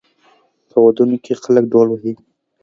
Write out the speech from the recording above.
په ودونو کې خلک ډول وهي.